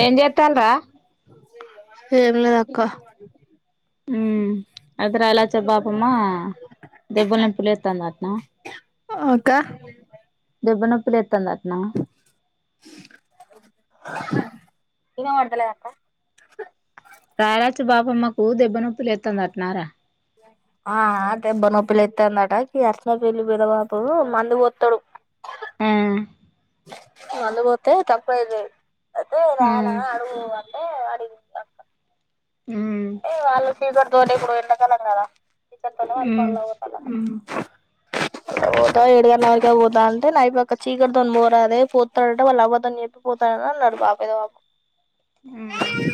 ఏం చేత్తాల్రా ఏం లేదా అక్క........ ఉమ్ అయితే రాయలచ్చ పాపమ్మ స్...... దెబ్బలు నొప్పులేత్తందట్నా అకా లేతదటనా స్ ఇనవట్దలేదంట రాయరాచు బాపమ్మకు దెబ్బ నొప్పి లేత్ందిటనారా ఆ దెబ్బ నొప్పి లేత్తందట అసనపెల్లి పేదబాపు మందు పోతడు ఆ మందు పోతే తకువయింది అదే రానా ఉమ్ అడుగు అంటే ఉమ్ ఏ వాళ్ళు ఫివర్ ఇప్పుడు ఎండకాలం గద ఇక తనే ఉమ్ వాళ్ళ పనికి పోతన పోతా ఏడుగన్న వరకి పోతా అంటే నైట్ చీకట్ తోని పోరాదే పోతాడాట వాళ్ళు అవతోని చెప్పిపోతాడని అన్నాడు పేదబాపు ఉమ్ మే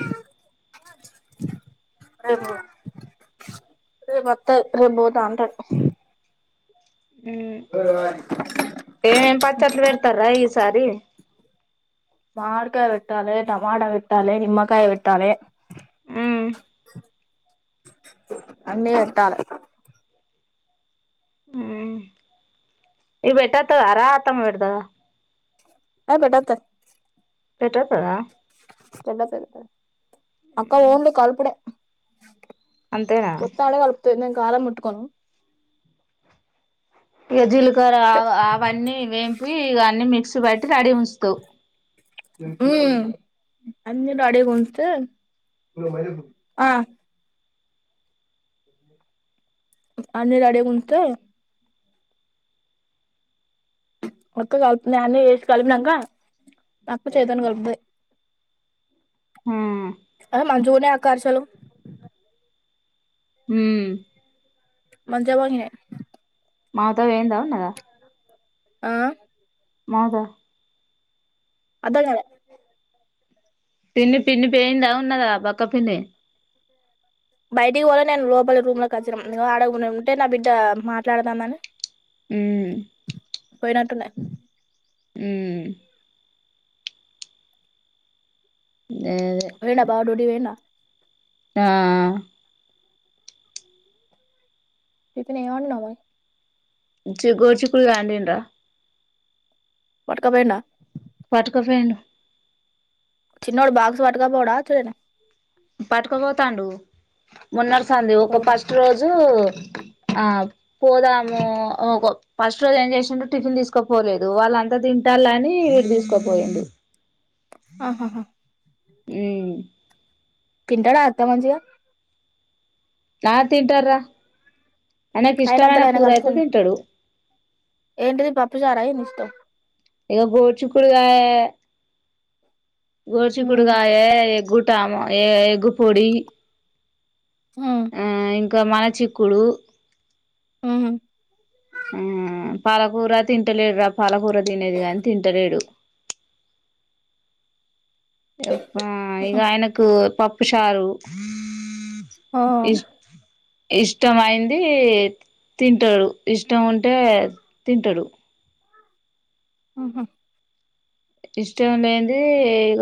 క్ష తేపొ రేపు అతని రేపుబోదా అంట ఊ.... ఏమ్ మ్ పచ్చట్లు పెడతారా ఈసారి మాడికాయ్ వెట్టాలి టమాట వెట్టాలి నిమ్మకాయ్ వెట్టాలి ఉమ్ అన్నే పేట్టాలే ఊ. నక్.. పేటతదరా అతమ వేడతదవా ఒకడోత పెట్టతదా చెల్లె పేడతది అక్కా ఒనీల కలుపుడే అంతేనా క్షౌ చెప్తాంటే కలుపుతది నె కారం ముట్టుకోన్ జిలుక్ అర్ అవన్నీ వేంపి ఇ అన్నీ మిక్స్ వైస్ తడి ఉంచుతౌ అన్నరు అడేగ ఉన్స్ ఆ అ అడిే గుంటత మత్త కలుపుంది అన్నీ వసి కలిపినాక నాకు చేద్దాం కలుపుతా ఉమ్ అదే మనంచగానే ఆకార్షాలు హ [inaudible] మా అత్త పోయిందా ఉన్నదా ఆ మాదా అఅర్థం కాలే పిన్ని పిన్ని పేయిందా ఉన్నదా బక్క పిన్ని బయటిక్ పోలే నేన్ లోపలి రూమ్లక్ వచ్చినం ఆడ ఉంటే నా బిడ్డ మాట్లాడదామని మ్ పోయినట్టున్నయి హ్ మ్ అదే పొయిండా బావ డ్యూటీకి పోయిండా ఆ టిఫిన్ ఏం అండినవ్ మరి చి గొడ్చికుడు కాయ అండిన్రా పట్కా పోయిండా పట్క పోయిండు చిన్నోడు బాక్స్ పట్కపోడా [inaudible] పట్టుకోపోతాండు. మున్నట్సంది ఒక పట్టుకపోతా ఫస్ట్ రోజు ఆ పోదాము ఫస్ట్ రోజు ఏం చేసిండు టిఫిన్ తీసుకోపోలేదు వాళ్ళ అంతా తింటాలని వీడ్ తీసుకుపోయిండు. ఆహాహా తింటడా అత్త మంచిగా ఆ తింటడ్ రా ఆయినకి ఇష్టమైన అయినంతలో ఆయన కూర అయితే కలుపుకొని తింటడు. ఏంటిది [inaudible] ఇగ గోడ్చికుడుగాయ ఉమ్ గోడ్చికుడుకాయ గుడ్ టమ ఏ ఎగ్ పొడి ఆ ఒక మన చిక్కుడు మ్ హ్ ఆ పాలకూర తింటలేడ్రా పాలకూర తినేది గాని తింటలేడు. ఆ ఇగ ఆయనకు పప్ చారు ఆ ఇష్టం అయింది తింటడు ఇష్టం ఉంటే తింటడు. ఆహా ఇష్టం లేంది ఇగ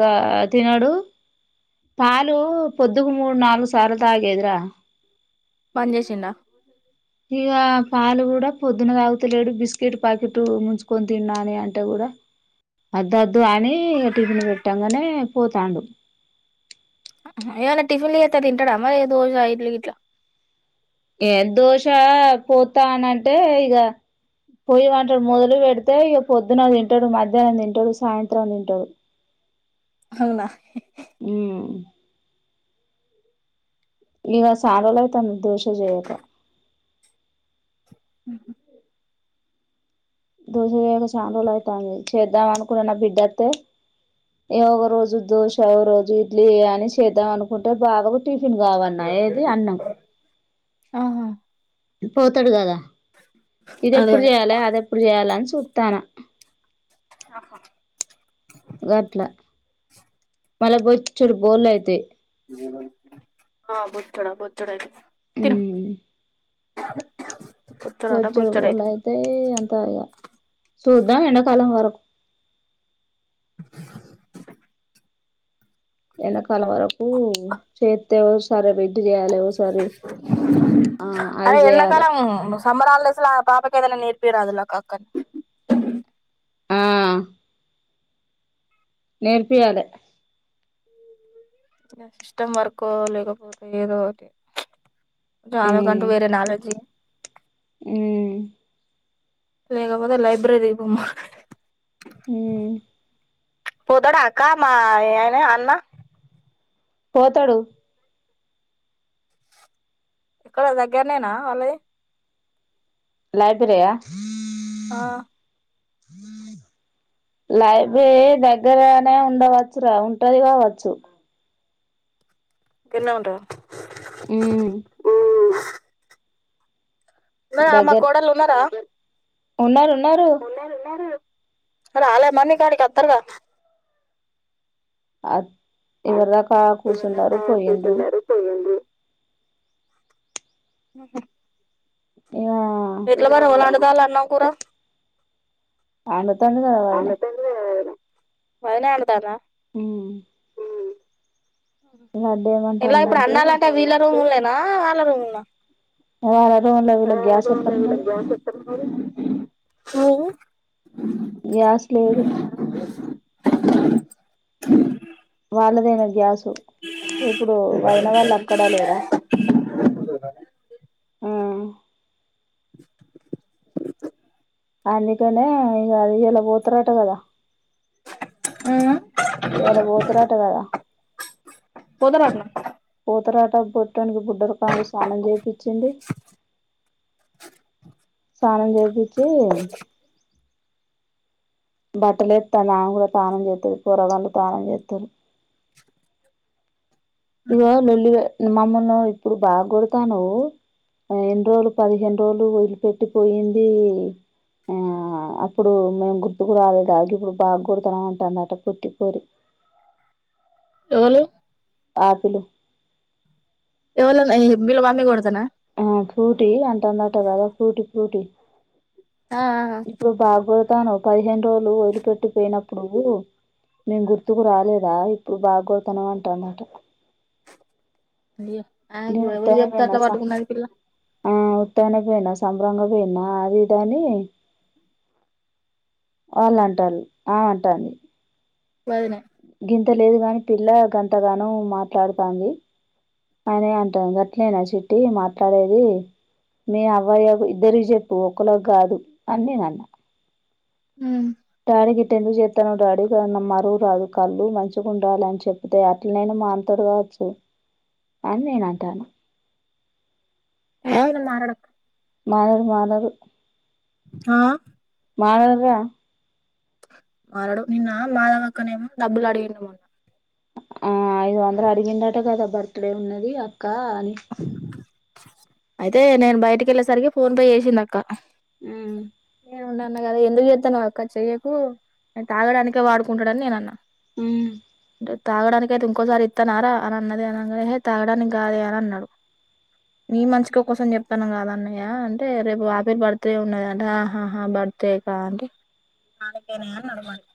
తినడు పాలు పొద్దుకు మూడు నాలుగు సార్లు తాగేదిరా బన్ చేసిండా ఇగ పాలు గుడా పొద్దున తాగుతలేడు బిస్కెట్ ప్యాకెటు ముంచుకొని తిన్ నాని అంటే గుడా అద్దద్దు అని ఇగ టిఫిన్ పెట్టాంగనే పోతాండు. ఏమన్నా టిఫిన్లు చేస్తే తింటడా మరి దోశ, ఇడ్లీ ఇట్లా ఏ దోష పోతా అనంటే ఇక పోయి అంటాడు మొదలు పెడితే ఇక పొద్దున్న తింటాడు మధ్యాహ్నం తింటాడు సాయంత్రం తింటాడు అవునా ఉ ఇక చానా రోజులు అయితంది దోషలు చేయక హహ దోశయక చానులు అవుతంది చేద్దాం అనుకుంట బిడ్డస్తే ఏ ఒక రోజు దోశ ఒక రోజు ఇడ్లీ అని చేద్దాం అనుకుంటే బాగాకు కావన్న ఏది అన్నం ఆహా పోతాడు కదా ఇది అదే ఎప్పుడు అదే చేయాలే అది ఎప్పుడు చేయాల చూస్తానా ఆహా గాట్లా మల్ల బోచుడు బోల్లే అయితే బోచాడు బోచాడు అయితే తీరు వచ్చడు [unintelligible] బొచ్చెడైతే అయితే ఎంత అ చేద్దాం ఎండకాలం వరకు ఎడాకాలం వరకు చేత్తే సరే సరే [unintelligible] చేయాలి ఒకసరి అదే ఎడాకాలం సమ్మర్ ఆ పాపకి ఏదన్నా పేరు అదులా కాకన్ మ్మ్ నేర్పియలే ఇంకా సిస్టమ్ వర్క్ లేకపోతే ఏదో ఒక్కటి అమె కంటూ వేరే నాలెడ్జ్ మ్మ్ లేకపోతే లైబ్రరీ పొమ్మ మ్మ్ పోతడా అక్క మా ఏన అన్న పోతాడు ఎక్కడ దగ్గరనేనా వాళ్ళది లైబ్రరియా ఆ లైబ్రరీ దగ్గరనే ఉండవచ్చు రా ఉంటది కావచ్చు [unintelligible] ఉంటద మ్మ్ నా అమ్మే దగ్గర కోడల్ ఉన్నార ఉన్నారు ఉన్నా ఉన్నడున్నడు రాలే మరి నీకాడికి అత్తారుగా అట్ ఇవరిదాకా కూసున్నరు పోయిండ్రు. కూర్చున్నారు పోయింది మ్మ్ హు ఇగ ఎట్ల గట్ల ఎవండుతాళ్లు అన్నం కూర ఆండ్ అందుతుందేమ్ వదినే అంటారా హ్మ్ ఎలా ఇప్పుడు ఏమంటాండంటే అన్నాలంటే వీళ్ళ రుముల్నే నా వాళ్ళ రూముల్నా ఆ రూమ్ల వీళ్ళకు గ్యాస్ ఎక్కడున్నది. హ్ము గ్యాస్ లేదు. వాళ్ళదే ఇగ గ్యాసు ఇప్పుడు వదిన వాళ్ళు అక్కడ లేరా ఆ అందుకనే ఇగ ఇయ్యాలా పోతరట గదా హ్మ్ ఇయాల పోతరట కదా పోతారటనా పోతరట పొట్టోనికి బుడ్డరపాము స్నానం జే పిచ్చింది స్నానం జేపిచ్చి బట్టలేత్తానా ఇగ తానం జేత్తురు పొరగాండ్లు తానం జేత్తురు. ఇగో లొల్లి వె మమ్మల్ని ఇప్పుడు బాగా కొడతాన్నవు, ఎన్ని రోజులు పదిహేను రోజులు వదిలి పెట్టి పోయింది ఆ అప్పుడు మేము గుర్తుకు రాలేదా గిప్పుడు బాగా కొడుతాన్నవు అంటందట పొట్టిపోరి. ఎవళు ఆకులు వీళ్ళ నై వీళ్ళ మమ్మీ కొడు ఆ ఫ్రూటి అంటాందట కదా ఫ్రూటి ఫ్రూటి ఆ ఆ ఇప్పుడు బాగ్గొడ్ తానవ్ పదిహేను రోజులు వదిలిపెట్టి పోయినప్పుడు, నేన్ గుర్తుకు రాలేదా ఇప్పుడు బాగ్గొడ్తాన్నావ్ అంటాందట. అయ్యో నేను ఆమెకు ఎవళు ఉత్తగనే జెప్తే అట్ల పట్టుకున్నది పిల్ల తయనికి బోయిన్నా, సంభ్రంగా బోయిన్నా, అది ఇదనీ వాళ్ళు అంటాలు ఆమె అంటాంది. వదినే గింత లేదు గాని పిల్లా గంతగానం మాట్లాడుతంది అనీ అంటాం గట్లేనా చిట్టీ మాట్లాడేది మీ అవ్వ అయ్యకు ఇద్దరికి జెప్పు ఒకళ్ళకి గాదు అని నేను అన్న. హ్మ్ డాడీ గిట్టెందుకు జేత్తానవ్ డాడీ గా మమరువు రాదు కల్లు మంచిగా ఉండాలే అని చెప్పితే అట్లనైన మానుతడు కావచ్చు. అని నేను అంటాన అనా మారడక్క మానరు మానరు ఆా మరా మారడు నిన్నమాధవి అక్కనేమో డబ్బులు అడిగిండు మొన్న ఆ ఐదు వందలు అడిగిండాట కదా బర్త్ డే ఉన్నది కాని అయితే నేను బయటికి వెళ్ళేసరికి ఫోన్ పే చేసిందిక్క అ ఉండి అన్న కదా ఎందుకు చేస్తాను అక్క చెయ్యకు ఆయన తాగడానికే వాడుకుంటాడని నేన అన్నా ఉమ్ ట్ తాగడానినికి అయితే ఇంకోసారి ఇస్తనారా అని అన్నది అన తాగడానికి కాదే అని అన్నాడు నీ మంచిషిక కోసం చెప్తాను కదా న్నాయా అంటే రేపు ఆప బర్త్డే ఉన్నదంట బర్త్డే అంటేకే నడవండి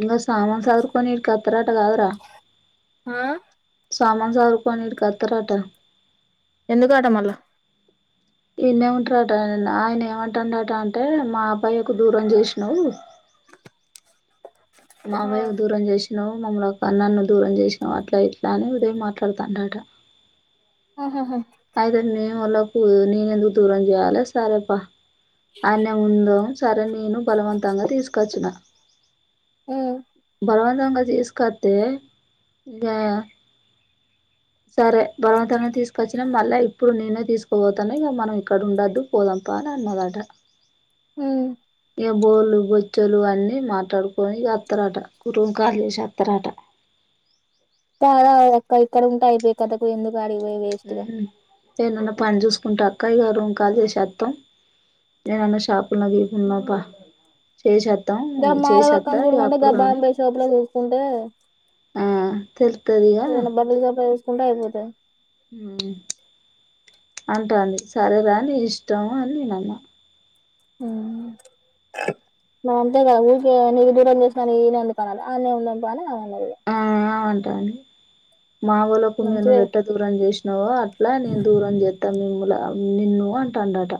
ఇంకా సామాన్ సదుర్కొని ఇర్క పత్త్రాటకావరా ఆ సామాను సారు పని ఈడికి అతరట ఎందుకు ఆట మల్ళా ఇన్నే ఉంటారంట ఆయన ఏమంటాండట అంటే మా అబ్బాయికు దూరం చేసినా్ మావయ దూరం చేసినా్ మమ్మ ఒక నన్ను దూరం చేసిన అట్ల ఇట్లానే ఉదయం మాట్లాడుతాంటట ఆహాహా అయితే న మళ్ళ ననే ఎ ద దూరం జాల సారే పా అనే ఉంద సరే నేను బలవంతంగా తీసుకొచ్చిన అ బలవంతంగా తీసుకొస్తతే ఇక సరే బలవంతంగా తీసుకొచ్చి ిన మళ్ళా ఇప్పుడు నేనే తీసుకోబోతుాను ఇక మనం ఇక్కడ ఉండొద్దు పోదంపా అని అన్నదట హ ఇకా బొల్లు బొచ్చలు అన్నిీ మాట్లాడుకొని అత్తరాట కుటుం కాలసి అత్తరాట చాలా అక్క ఇక్కడ ఉంటా అయిపోయి కథకు ఎందుకు గాడికి పోయి వెస్ట్ గా ఏనన్నా పని చూసుకుంటా అక్క ఇగ రూమ్ కాలీ చేసత్తాం నేనన్న షాపులా గకున్నా పా ఇక మాాలవక్కని చూడమంటే ఇ గాని బాంబాై షాపు లో చూస్తుంటే ఆ తేలుతదిగా కుండైయిబోధ అంటాంది సరేదా నీ ఇష్టము అని నేనన్న అంతే కద ఊకే నీకు దూరం చేసిన ఈ నందుకుకనాలి అ న ఉందం బని ఆ అవుంటాని మావూల కుమి్యను మంచిదే వెెట్ట దూరం చేస్త న ఇలా నేన్ దూరం చెతా మ నిన్ను అంటాంటాట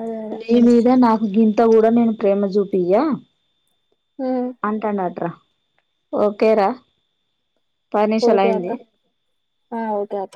అదే అదే నను ఇద నా గ ఇంత కూడా నేను ప్రేమ చూపి్యా ఉమ్ అంటాంట అత్ర ఓకేరా పది నిమిషాలు ఓదత అయింది ఓటత